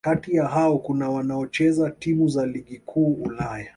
Kati ya hao kuna wanaocheza timu za Ligi Kuu Ulaya